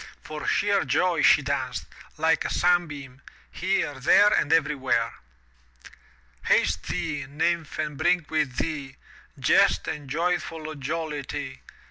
For sheer joy she danced, like a sunbeam, here, there and everywhere. Haste thee, Nymph and bring with thee/" Jest and youthful Jollity.